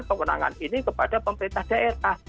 kewenangan ini kepada pemerintah daerah